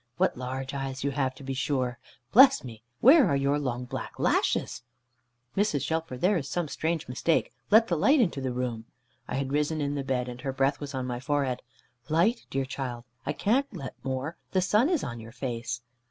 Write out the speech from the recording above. What large eyes you have, to be sure. Bless me! Where are your long black lashes?" "Mrs. Shelfer, there is some strange mistake. Let the light into the room." I had risen in the bed, and her breath was on my forehead. "Light, dear child, I can't let more. The sun is on your face."